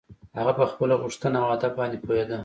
هغه په خپله غوښتنه او هدف باندې پوهېده.